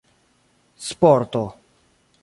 sporto